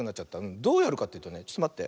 どうやるかっていうとねちょっとまって。